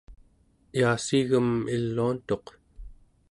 yaassiigem iluantuq